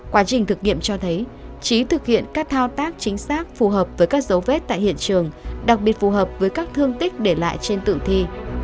quá trình thực nghiệm cho thấy trí thực hiện các thao tác chính xác phù hợp với các dấu vết tại hiện trường đặc biệt phù hợp với các thương tích để lại trên tử thi